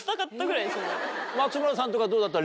松村さんとかどうだった？